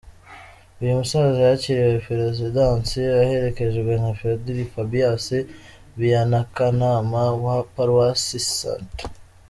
Uyu musaza yakiriwe Perezidansi aherekejwe na Padiri Fabius Bainakanaama wa Paruwasi St.